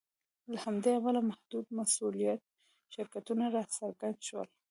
له همدې امله محدودالمسوولیت شرکتونه راڅرګند شول.